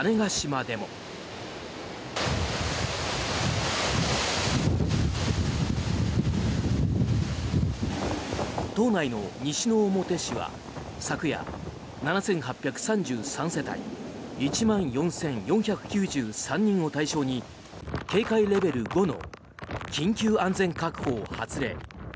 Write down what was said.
島内の西之表市は昨夜７８３３世帯１万４４９３人を対象に警戒レベル５の緊急安全確保を発令。